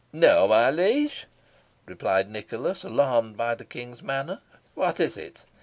"No, my liege," replied Nicholas, alarmed by the King's manner; "what is it?"